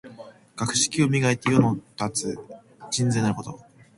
学識を磨いて、世に役立つ人材になること。